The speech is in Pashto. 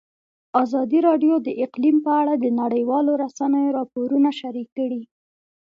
ازادي راډیو د اقلیم په اړه د نړیوالو رسنیو راپورونه شریک کړي.